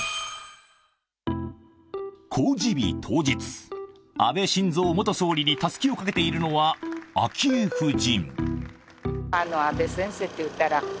公示日当日、安倍晋三元総理にたすきをかけているのは昭恵夫人。